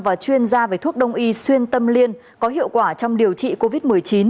và chuyên gia về thuốc đông y xuyên tâm liên có hiệu quả trong điều trị covid một mươi chín